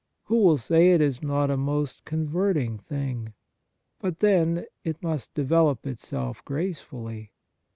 Who will say it is not a most converting thing ? But, then, it must develop itself gracefully.